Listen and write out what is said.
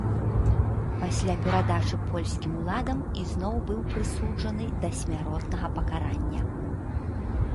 Пасля перадачы польскім уладам ізноў быў прысуджаны да смяротнага пакарання.